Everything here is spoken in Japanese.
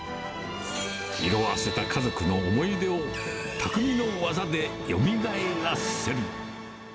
色あせた家族の思い出を、たくみの技でよみがえらせる。